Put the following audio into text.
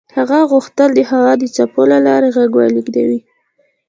هغه غوښتل د هوا د څپو له لارې غږ ولېږدوي.